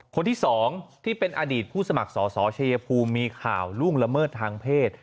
คนที่๒ที่เป็นอดีตผู้สมัครสอสอชัยภูมิมีข่าวล่วงละเมิดทางเพศ